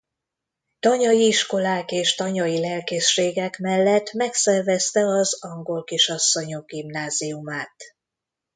Tanyai iskolák és tanyai lelkészségek mellett megszervezte az angolkisasszonyok gimnáziumát.